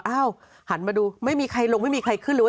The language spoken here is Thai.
อ้าวหันมาดูไม่มีใครลงไม่มีใครขึ้นรู้